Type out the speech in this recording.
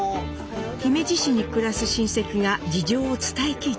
姫路市に暮らす親戚が事情を伝え聞いていました。